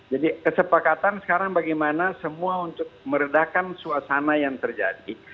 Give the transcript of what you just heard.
jadi kesepakatan sekarang bagaimana semua untuk meredakan suasana yang terjadi